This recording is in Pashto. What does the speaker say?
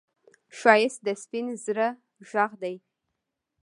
ښایست د سپين زړه غږ دی